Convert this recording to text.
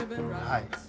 はい。